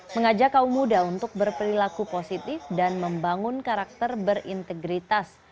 mengajak kaum muda untuk berperilaku positif dan membangun karakter berintegritas